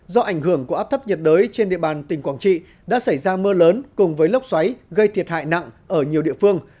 do ảnh hưởng của áp thấp nhiệt đới trên địa bàn tỉnh quảng trị đã xảy ra mưa lớn cùng với lốc xoáy gây thiệt hại nặng ở nhiều địa phương